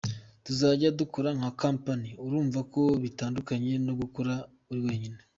Tuzajya dukora nka company, urumva ko bitandukanye no gukora uri wenyine.